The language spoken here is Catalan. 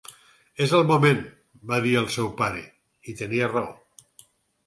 "És el moment", va dir el seu pare, i tenia raó.